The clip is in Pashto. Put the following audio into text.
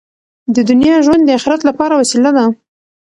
د دنیا ژوند د اخرت لپاره وسیله ده.